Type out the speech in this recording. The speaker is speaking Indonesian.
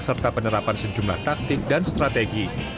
serta penerapan sejumlah taktik dan strategi